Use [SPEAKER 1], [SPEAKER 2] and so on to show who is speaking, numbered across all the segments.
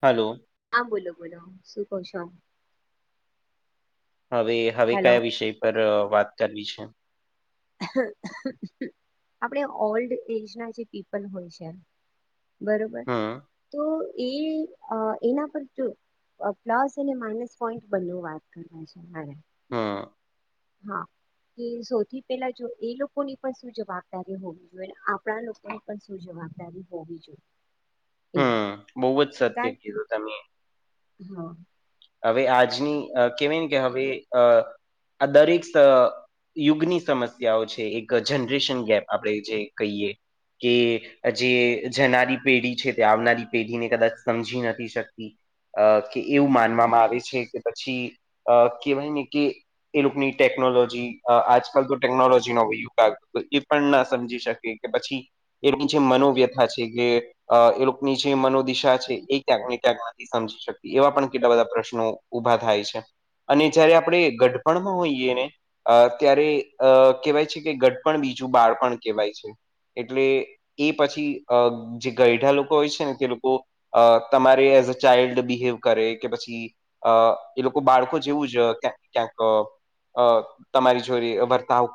[SPEAKER 1] Hello!
[SPEAKER 2] હા બોલો બોલો શું કહ છો?
[SPEAKER 1] હવે હવે
[SPEAKER 2] હેલો
[SPEAKER 1] કયા વિષય પર અ વાત કરવી છે.
[SPEAKER 2] આપણે ઓલ્ડ એજ ના જે પીપલ હોય છે. બરોબર
[SPEAKER 1] હમ,
[SPEAKER 2] તો એ. અ એના પર જો અ પ્લસ અને માઇનસ પોઈન્ટ બને વાત કર છે મારે.
[SPEAKER 1] હું.
[SPEAKER 2] હા કે સૌથી પેલા જો એ લોકોની પણ શું જવાબદારી હોવી જોઈએ આપણા તો પણ શું જવાબદારી હોવી જોઈ.
[SPEAKER 1] હમ બહુ જ સત્ય કીધું તમે.
[SPEAKER 2] હા.
[SPEAKER 1] હવે આજની અ કેહેવાયને કે હવે અ આ દરેક અ. યુગની સમસ્યાઓ છે એક જનરેશન ગેપ આપણે જે કહીએ કે જે જનારી પેઢી છે તે આવનારી પેઢીને કદાચ સમજી નથી શકતી અ કે એવું માનવામાં આવે છે કે પછી અ કહેવાય ને કે. એ લોકોની ટેકનોલોજી અ આજકાલ તો ટેકનોલોજી નો યુગાગ હતો એ પણ ના સમજી શકે. કે પછી એની જે મનોવ્યથા છે કે. અ એ લોકોની જે મનોદિશા છે એ ક્યાંક ને ક્યાંક નથી સમજી શકીતી એવા પણ કેટલા બધા પ્રશ્ન ઉભા થાય છે અને જયારે આપણે ગઢપણમાં હોઈએ ને અ ત્યારે અ કહેવાય છે કે ગઢ પણણ બીજું બાળપણ કહેવાય છે એટલે એ પછી અ જે ગૈઢા લોકો હોય છે ને તે લોકો અ તમારે એઝ અ ચાઇલ્ડ બિહેવ કરે કે પછી અ એ લોકો બાળકો જેવું જ ક્યાંક ક્યાંક અ. અ તમારી છોરી વર્તાવ.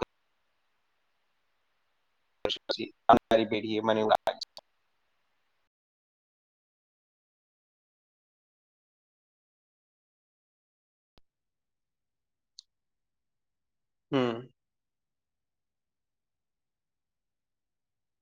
[SPEAKER 1] અ પેઢએ મને [inaudible] હમ.